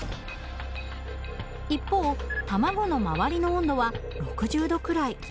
一方卵の周りの温度は６０度くらい。